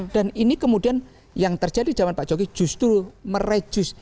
dan ini kemudian yang terjadi di zaman pak jogi justru merejus